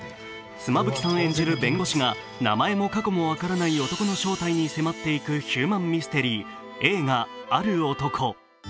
妻夫木さん演じる弁護士が名前も過去も分からない男の正体に迫っていくヒューマンミステリー映画「ある男」。